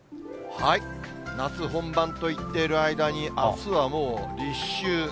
夏本番と言っている間に、あすはもう立秋。